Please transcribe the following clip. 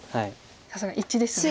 さすが一致ですね。